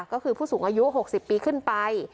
ก็คือผู้สูงอายุ๖๐ปีขึ้นไป